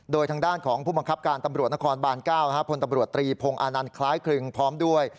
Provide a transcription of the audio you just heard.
โดยทางด้านของผู้บังคับการตำรวจนครบาน๙พลตำรวจตรีพงศ์อานันต์คล้ายครึงพร้อมด้วย